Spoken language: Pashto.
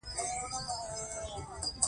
احمد خپل کارمندان د سر ګرولو ته نه پرېږي.